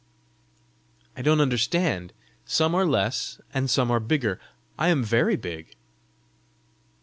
"I don't understand. Some are less and some are bigger. I am very big."